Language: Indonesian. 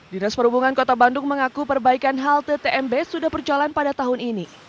dinas perhubungan kota bandung mengaku perbaikan halte tmb sudah berjalan pada tahun ini